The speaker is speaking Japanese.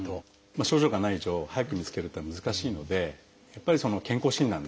症状がない以上早く見つけるっていうのは難しいのでやっぱり健康診断ですね。